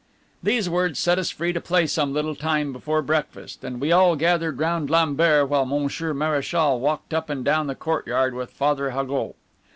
These words set us free to play some little time before breakfast, and we all gathered round Lambert while Monsieur Mareschal walked up and down the courtyard with Father Haugoult.